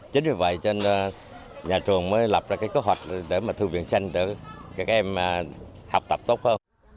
chính vì vậy cho nên nhà trường mới lập ra cái kế hoạch để mà thư viện xanh để các em học tập tốt hơn